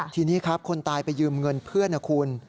ทีนี้ครับคนตายไปยืมเงินเพื่อนนะคุณ